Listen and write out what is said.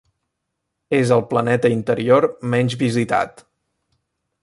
És el planeta interior menys visitat.